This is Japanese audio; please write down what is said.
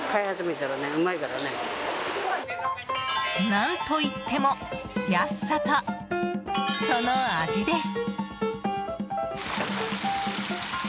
何といっても安さと、その味です。